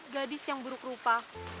gadis yang buruk rupa